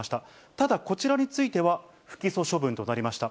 ただ、こちらについては不起訴処分となりました。